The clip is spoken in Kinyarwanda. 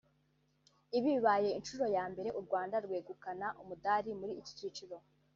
Ibi bibaye inshuro ya mbere u Rwanda rwegukana umudari muri iki cyiciro